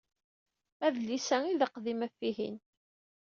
Adlis-a i d aqdim ɣef wihin.